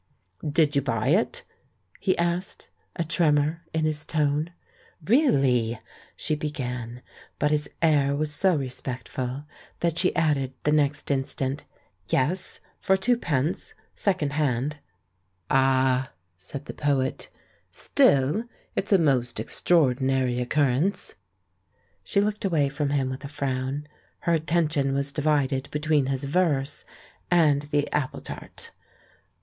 "Did you buy it?" he asked, a tremor in his tone. "Really —!" she began. But his air was so re spectful that she added the next instant, "Yes, for twopence, second hand." "Ah!" said the poet. "Still, it's a most ex traordinary occurrence." She looked away from him with a frown; her attention was divided between his verse and the apple tart.